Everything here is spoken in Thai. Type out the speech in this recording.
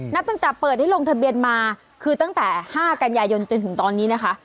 ตั้งแต่เปิดให้ลงทะเบียนมาคือตั้งแต่๕กันยายนจนถึงตอนนี้นะคะ